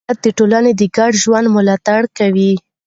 عدالت د ټولنې د ګډ ژوند ملاتړ کوي.